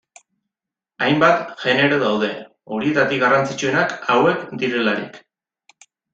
Hainbat genero daude, horietatik garrantzitsuenak hauek direlarik.